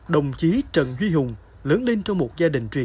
đồng chí trần duy hùng phó trưởng công an tp huế